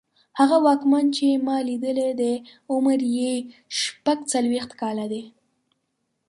هغه واکمن چې ما لیدلی دی عمر یې شپږڅلوېښت کاله دی.